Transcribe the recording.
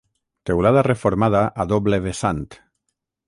Teulada reformada a doble vessant.